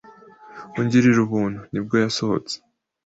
“Ungirira Ubuntu” ni bwo yasohotse